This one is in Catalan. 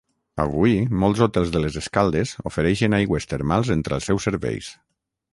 Avui molts hotels de les Escaldes ofereixen aigües termals entre els seus serveis.